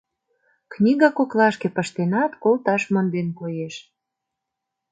Книга коклашке пыштенат, колташ монден, коеш.